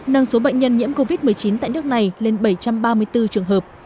nâng số bệnh nhân nhiễm covid một mươi chín tại nước này lên bảy trăm ba mươi bốn trường hợp